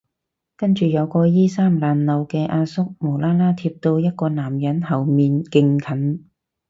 跟住有個衣衫襤褸嘅阿叔無啦啦貼到一個男人後面勁近